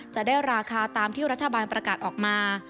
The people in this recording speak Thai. จะได้ราคาตามที่รัฐบาลประกาศออกมา